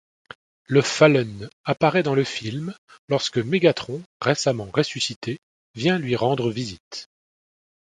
Le Fallen apparaît dans le film lorsque Mégatron, récemment ressuscité, vient lui rendre visite.